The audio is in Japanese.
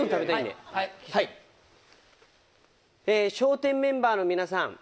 笑点メンバーの皆さん。